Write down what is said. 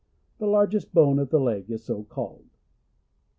The largest bone of the leg is so called.